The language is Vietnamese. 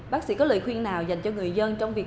bác sĩ có lời khuyên nào dành cho người dân trong việc